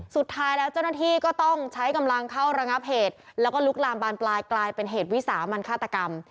สุดท้ายแล้วเจ้าหน้าที่ก็ต้องใช้กำลังเข้าระงับเหตุแล้วก็ลุกลามบานปลายกลายเป็นเหตุวิสามันฆาตกรรม